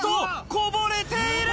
こぼれている。